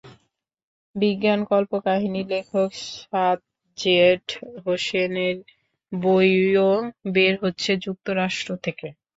বিজ্ঞান কল্পকাহিনি লেখক সাদ জেড হোসেনের বইও বের হচ্ছে যুক্তরাষ্ট্র থেকে।